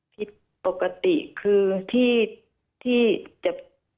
ผิดปกติคือที่จะ